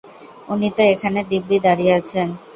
উনি তো এখানে দিব্যি দাঁড়িয়ে আছেন।